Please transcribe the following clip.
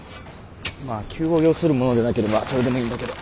まあ急を要するものでなければそれでもいいんだけど。